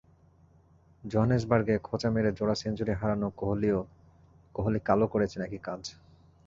জোহানেসবার্গে খোঁচা মেরে জোড়া সেঞ্চুরি হারানো কোহলি কালও করেছেন একই কাজ।